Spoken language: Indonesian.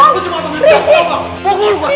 aku cuma pengecut lo bang